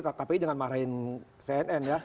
kkpi jangan marahin cnn ya